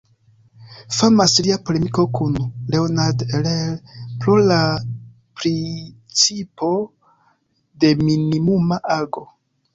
Famas lia polemiko kun Leonhard Euler pro la principo de minimuma ago.